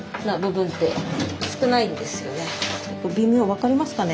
分かりますかね？